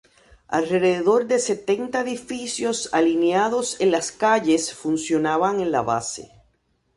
Alrededor de setenta edificios alineados en las calles funcionaban en la base.